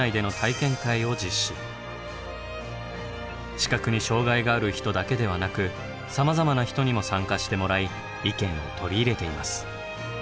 視覚に障害がある人だけではなくさまざまな人にも参加してもらい意見を取り入れています。